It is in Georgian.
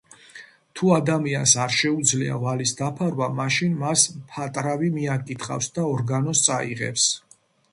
თუ ადამიანს არ შეუძლია ვალის დაფარვა, მაშინ მას მფატრავი მიაკითხავს და ორგანოს წაიღებს.